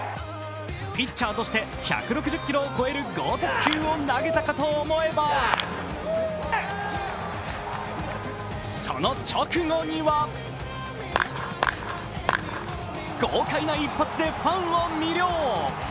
ピッチャーとして１６０キロを超える剛速球を投げたかと思えばその直後には豪快な一発でファンを魅了。